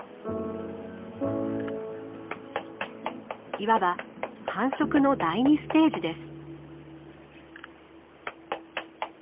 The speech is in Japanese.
いわば繁殖の第２ステージです。